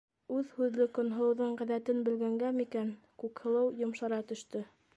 Үҙ һүҙле Көнһылыуҙың ғәҙәтен белгәнгә микән, Күкһылыу йомшара төштө: